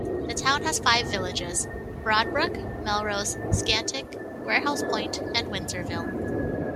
The town has five villages: Broad Brook, Melrose, Scantic, Warehouse Point and Windsorville.